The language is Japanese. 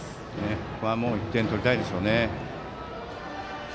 ここはもう１点取りたいでしょうね。